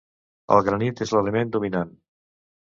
El granit és l'element dominant.